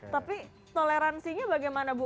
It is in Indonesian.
tapi toleransinya bagaimana bu